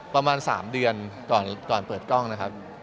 ประมาณ๓เดือนก่อนเปิดกล้องนะครับ